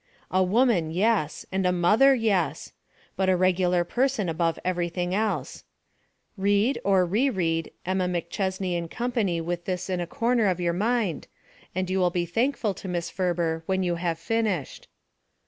A woman, yes, and a mother, yes! But a regular person above everything else. Read, or re read, Emma McChesney & Co. with this in a corner of your mind and you will be thankful to Miss Ferber when you have finished.